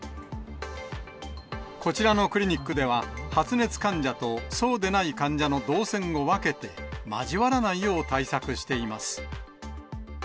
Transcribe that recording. こちらのクリニックでは、発熱患者とそうでない患者の動線を分けて、交わらないよう対策しています。